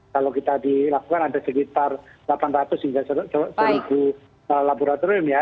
kalau kita dilakukan ada sekitar delapan ratus hingga seribu laboratorium ya